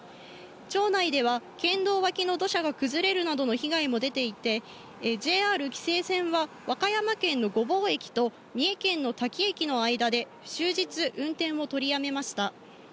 町内では、県道脇の土砂が崩れるなどの被害も出ていて、ＪＲ紀勢線は和歌山県の御坊駅と三重県の多気駅の間で、終日運転を取りやめました。